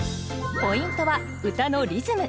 ポイントは歌のリズム。